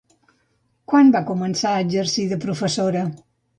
Quan va començar a exercir de professora?